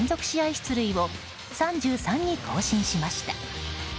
出塁を３３に更新しました。